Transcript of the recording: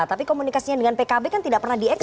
tapi komunikasinya dengan pkb kan tidak pernah di expose